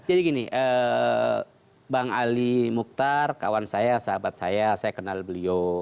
jadi gini bang ali mukhtar kawan saya sahabat saya saya kenal beliau